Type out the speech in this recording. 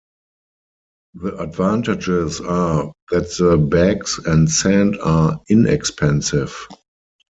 The advantages are that the bags and sand are inexpensive.